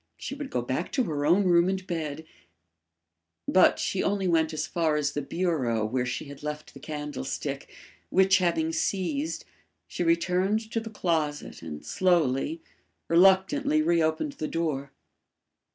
She would go back to her own room and bed But she only went as far as the bureau where she had left the candlestick, which having seized, she returned to the closet and slowly, reluctantly reopened the door.